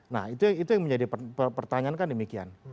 nah itu yang menjadi pertanyaan kan demikian